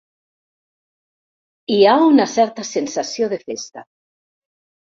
Hi ha una certa sensació de festa.